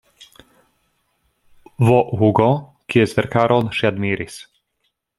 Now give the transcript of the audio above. V. Hugo kies verkaron ŝi admiris.